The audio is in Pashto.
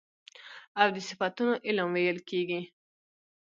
او د صفتونو علم ويل کېږي .